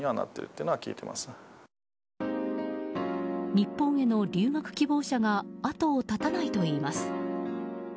日本への留学希望者が後を絶たないといいます。